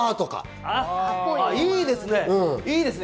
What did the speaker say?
いいですね。